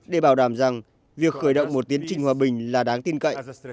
để bảo đảm rằng việc khởi động một tiến trình hòa bình là đáng tin cậy